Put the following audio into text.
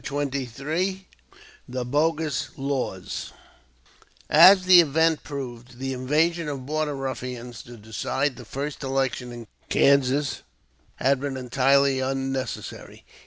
CHAPTER XXIII THE BOGUS LAWS As the event proved, the invasion of border ruffians to decide the first election in Kansas had been entirely unnecessary.